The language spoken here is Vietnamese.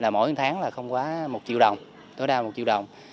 mỗi tháng không quá một triệu đồng